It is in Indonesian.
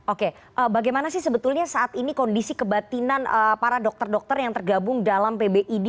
oke bagaimana sih sebetulnya saat ini kondisi kebatinan para dokter dokter yang tergabung dalam pbid